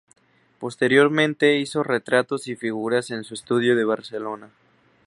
Posteriormente hizo retratos y figuras en su estudio de Barcelona.